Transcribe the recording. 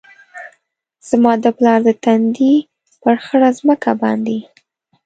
زما د پلار د تندي ، پر خړه مځکه باندي